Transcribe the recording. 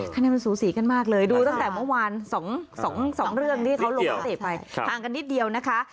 คะแนนมันสูสีกันมากเลยดูตั้งแต่เมื่อวาน๒เรื่องที่เขาลงนักเตะไปห่างกันนิดเดียวนะคะ